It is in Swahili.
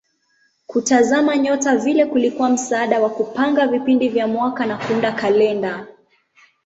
Kutazama nyota vile kulikuwa msaada wa kupanga vipindi vya mwaka na kuunda kalenda.